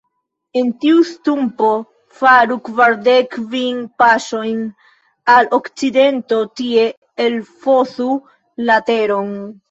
De tiu stumpo faru kvardek kvin paŝojn al okcidento, tie elfosu la teron.